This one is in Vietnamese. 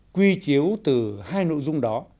quy chiếu từ hai nội dung đó